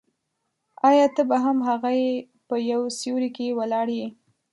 آیا ته به هم هغه یې په یو سیوري کې ولاړ یې.